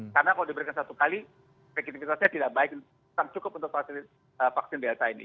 karena kalau diberikan satu kali efektifitasnya tidak baik cukup untuk vaksin delta ini